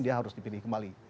dia harus dipilih kembali